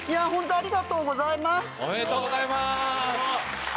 ありがとうございます！